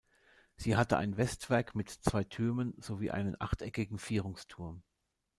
Sie hatte ein Westwerk mit zwei Türmen sowie einen achteckigen Vierungsturm.